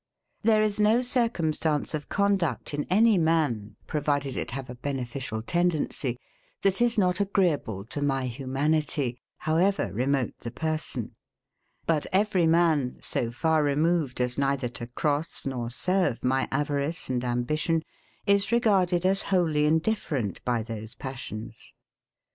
There is no circumstance of conduct in any man, provided it have a beneficial tendency, that is not agreeable to my humanity, however remote the person; but every man, so far removed as neither to cross nor serve my avarice and ambition, is regarded as wholly indifferent by those passions.